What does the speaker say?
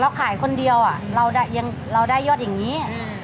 ขายคนเดียวเราได้ยอดอย่างนี้